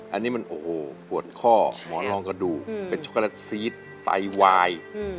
อันนี้มันโอ้โหปวดข้อหมอลองกระดูกเป็นช็อกโกแลตซีสไตวาย